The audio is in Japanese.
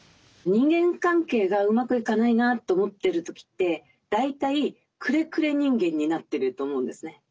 人間関係がうまくいかないなと思ってる時って大体「くれくれ人間」になってると思うんですね。